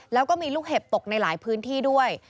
แล้วก็มีลูกเห็บตกในหลายพื้นที่ด้วย